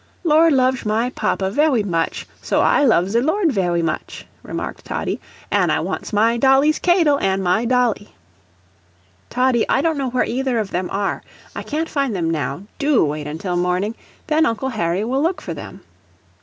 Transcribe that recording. "Lord lovesh my papa vewy much, so I love ze Lord vewy much," remarked Toddie. "An' I wants my dolly's k'adle an' my dolly." "Toddie, I don't know where either of them are I can't find them now DO wait until morning, then Uncle Harry will look for them."